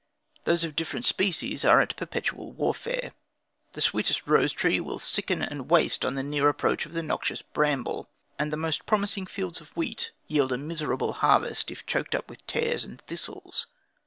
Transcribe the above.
Those of different species are at perpetual warfare. The sweetest rose tree will sicken and waste on the near approach of the noxious bramble, and the most promising fields of wheat yield a miserable harvest if choked up with tares and thistles.